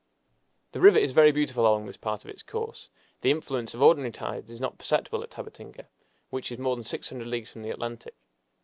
The river is very beautiful along this part of its course. The influence of ordinary tides is not perceptible at Tabatinga, which is more than six hundred leagues from the Atlantic.